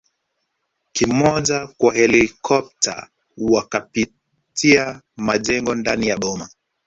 kimoja kwa helikopta wakapitia majengo ndani ya boma